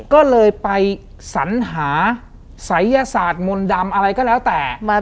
ก็เลยไปสัญหาศัยยศาสตร์มนต์ดำอะไรก็แล้วแต่